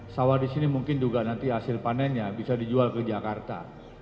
sawah di sini mungkin juga nanti hasil panennya bisa dijual ke jakarta